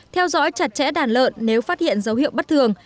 bắt chặt chẽ đàn lợn nếu phát hiện dấu hiệu bất thường